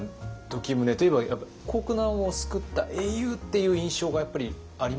時宗といえば国難を救った英雄っていう印象がやっぱりありますけど実際どう？